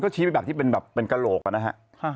ก็ฉีกแบบที่เป็นกะโหลกนะครับ